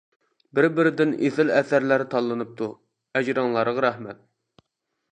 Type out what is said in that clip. بىر-بىرىدىن ئېسىل ئەسەرلەر تاللىنىپتۇ، ئەجرىڭلارغا رەھمەت!